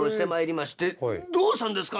「どうしたんですか？